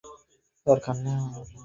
আমি নিজেই বলছি।